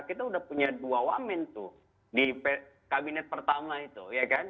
kita sudah punya dua wamen tuh di kabinet pertama itu ya kan